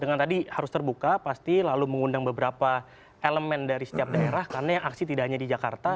dengan tadi harus terbuka pasti lalu mengundang beberapa elemen dari setiap daerah karena yang aksi tidak hanya di jakarta